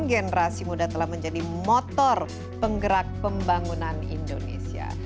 generasi muda telah menjadi motor penggerak pembangunan indonesia